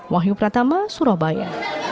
wahyu pratama surabaya